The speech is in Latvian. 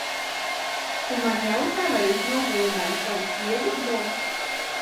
Tu man jautā, vai es nogalināju savu sievu, Go?